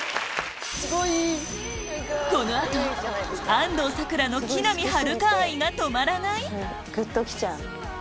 この後安藤サクラの木南晴夏愛が止まらないぐっときちゃう。